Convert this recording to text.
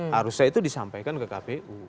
harusnya itu disampaikan ke kpu